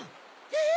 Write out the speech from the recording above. えっ？